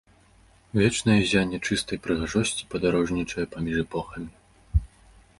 Вечнае ззянне чыстай прыгажосці падарожнічае паміж эпохамі.